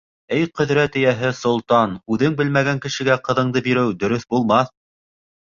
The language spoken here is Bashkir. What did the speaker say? — Эй ҡөҙрәт эйәһе солтан, үҙең белмәгән кешегә ҡыҙыңды биреү дөрөҫ булмаҫ.